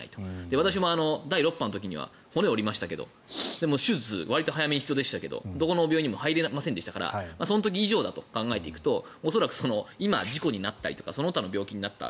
私も第６波の時には骨を折りましたがでも、手術、早めに必要でしたがどこの病院にも入れませんでしたからその時以上だと考えていくと恐らく事故に遭ったりとかその他の病気になった。